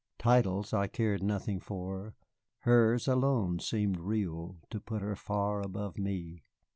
Titles I cared nothing for. Hers alone seemed real, to put her far above me.